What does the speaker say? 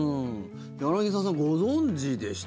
柳澤さんご存知でした？